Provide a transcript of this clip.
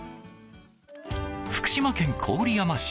福島県郡山市。